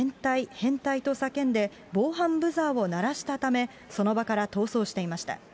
変態！と叫んで、防犯ブザーを鳴らしたため、その場から逃走していました。